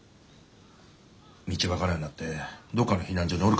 道分からんようになってどっかの避難所におるかもしれん。